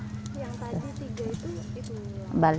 apa yang ada